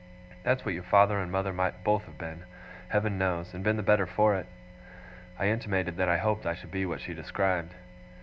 That's what your father and mother might both have been, Heaven knows, and been the better for it.' I intimated that I hoped I should be what she described.